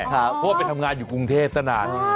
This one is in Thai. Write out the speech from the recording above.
เพราะว่าไปทำงานอยู่กรุงเทพสนาน